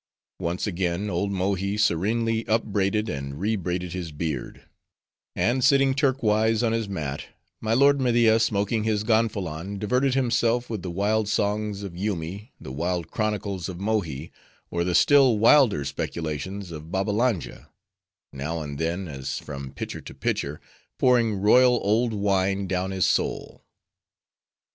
Once again, old Mohi serenely unbraided, and rebraided his beard; and sitting Turk wise on his mat, my lord Media smoking his gonfalon, diverted himself with the wild songs of Yoomy, the wild chronicles of Mohi, or the still wilder speculations of Babbalanja; now and then, as from pitcher to pitcher, pouring royal old wine down his soul.